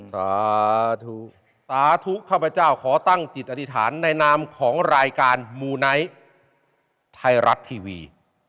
สาธุสาธุข้าพเจ้าขอตั้งจิตอธิษฐานในนามของรายการมูไนท์ไทยรัฐทีวี